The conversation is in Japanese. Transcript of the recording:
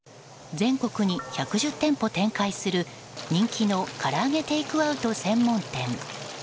全国に１１０店舗展開する人気のから揚げテイクアウト専門店。